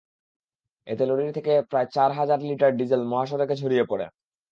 এতে লরির থেকে প্রায় চার হাজার লিটার ডিজেল মহাসড়কে ছড়িয়ে পড়ে।